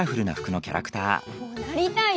こうなりたいよ！